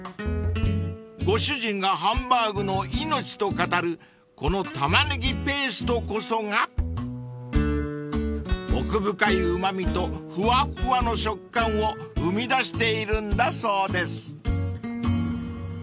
［ご主人がハンバーグの命と語るこのたまねぎペーストこそが奥深いうま味とふわっふわの食感を生み出しているんだそうです］